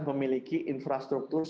memiliki infrastruktur sepuluh